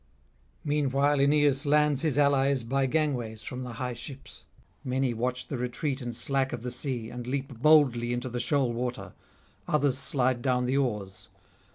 Meanwhile Aeneas lands his allies by gangways from the high ships. Many watch the retreat and slack of the sea, and leap boldly into the shoal water; others slide down the oars.